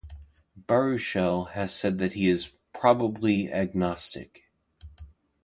Baruchel has said that he is "probably agnostic".